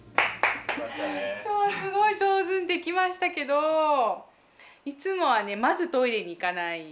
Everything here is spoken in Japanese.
今日すごい上手にできましたけどいつもはねまずトイレに行かない。